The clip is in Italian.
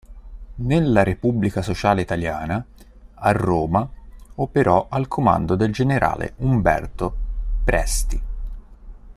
Nella Repubblica Sociale Italiana, a Roma operò al comando del generale Umberto Presti.